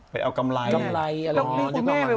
ไปเอากำไร